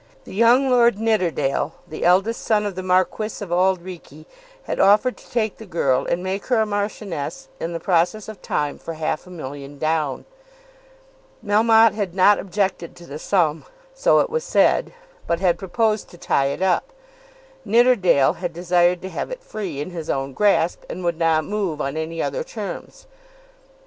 The young Lord Nidderdale, the eldest son of the Marquis of Auld Reekie, had offered to take the girl and make her Marchioness in the process of time for half a million down. Melmotte had not objected to the sum, so it was said, but had proposed to tie it up. Nidderdale had desired to have it free in his own grasp, and would not move on any other terms.